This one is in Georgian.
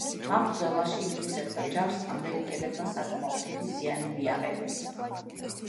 ამ ბრძოლაში ინგლისელთა ჯარს ამერიკელებმა საკმაოდ დიდი ზიანი მიაყენეს.